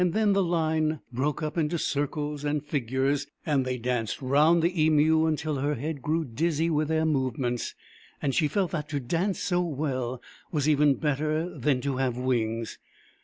Then the line broke up into circles and figures, and they danced round the Emu until her head grew dizzy with their movements, and she felt that to dance so well was even better than to have wings.